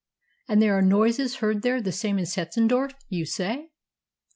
"And there are noises heard there the same as at Hetzendorf, you say?"